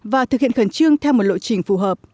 và thực hiện khẩn trương theo một lộ trình phù hợp